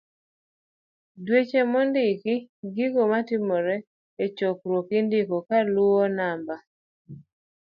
d-Weche mondiki. gigo matimore e chokruok indiko ga kaluwo namba